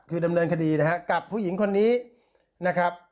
คือดำเนินคดีนะฮะกับผู้หญิงคนนี้นะครับ